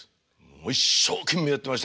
もう一生懸命やってました